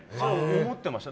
思ってました。